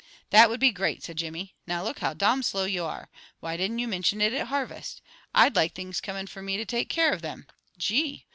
"That would be great," said Jimmy. "Now look how domn slow you are! Why didn't you mintion it at harvest? I'd like things comin' for me to take care of them. Gee!